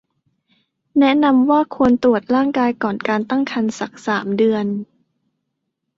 แนะนำว่าควรตรวจร่างกายก่อนการตั้งครรภ์สัก สาม เดือน